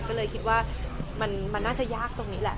ก็เลยคิดว่ามันน่าจะยากตรงนี้แหละ